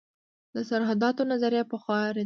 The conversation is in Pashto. د سرحداتو نظریه پخوا ردېده.